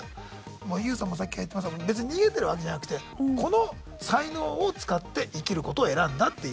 もうＹＯＵさんもさっきから言ってますが別に逃げてるわけじゃなくてこの才能を使って生きることを選んだっていう。